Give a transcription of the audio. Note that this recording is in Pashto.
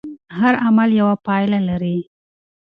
هر عمل یوه پایله لري.